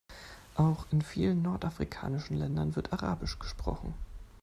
Auch in vielen nordafrikanischen Ländern wird arabisch gesprochen.